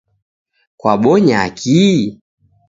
Kwabonya kii?